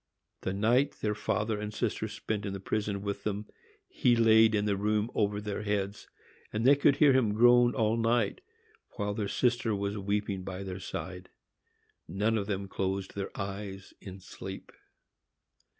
The night their father and sister spent in the prison with them, he lay in the room over their heads; and they could hear him groan all night, while their sister was weeping by their side. None of them closed their eyes in sleep.